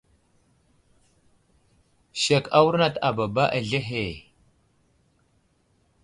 Sek awurnat a baba aslehe.